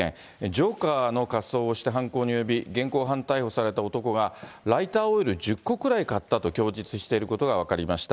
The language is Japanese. ジョーカーの仮装をして犯行に及び、現行犯逮捕された男が、ライターオイル１０個くらい買ったと供述していることが分かりました。